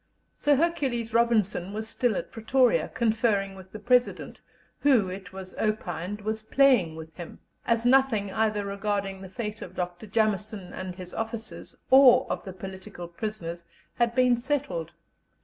Sir Hercules Robinson was still at Pretoria, conferring with the President, who, it was opined, was playing with him, as nothing either regarding the fate of Dr. Jameson and his officers, or of the political prisoners, had been settled.